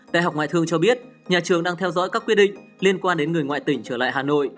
đại học ngoại thương cho biết nhà trường đang theo dõi các quy định liên quan đến người ngoại tỉnh trở lại hà nội